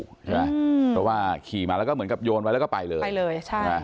เพราะว่าขี่มาแล้วก็เหมือนกับโยนไว้แล้วก็ไปเลย